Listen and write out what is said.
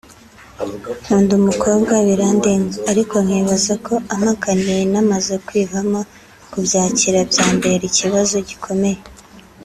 nkunda umukobwa birandenga ariko nkibaza ko ampakaniye namaze kwivamo kubyakira byambera ikibazo gikomeye